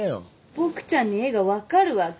ボクちゃんに絵が分かるわけ？